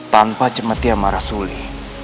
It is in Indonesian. tanpa cemeti sama rasuli